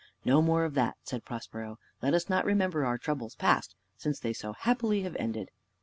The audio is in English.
"No more of that," said Prospero: "let us not remember our troubles past, since they so happily have ended."